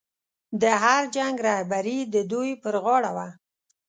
د هر جنګ رهبري د دوی پر غاړه وه.